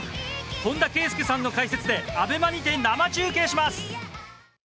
本田圭佑さんの解説でＡＢＥＭＡにて生中継します。